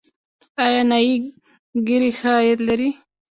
آیا نایي ګري ښه عاید لري؟